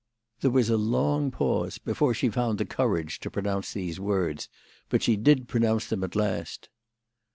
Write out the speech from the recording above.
There was a long pause before she found the courage to pronounce these words, but she did pronounce them at last.